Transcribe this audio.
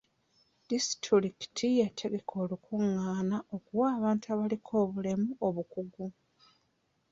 Disitulikiti yategeka olukungaana okuwa abantu abaliko obulemu obukugu.